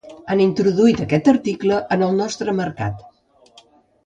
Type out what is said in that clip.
Han introduït aquest article en el nostre mercat.